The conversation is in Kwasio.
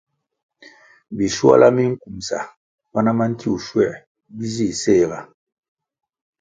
Bischuala minkumsa pana ma ntiwuh schuer bi zih séhga.